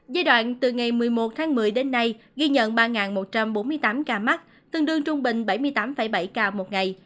giai đoạn từ ngày một mươi một tháng một mươi đến nay ghi nhận ba một trăm bốn mươi tám ca mắc tương đương trung bình bảy mươi tám bảy ca một ngày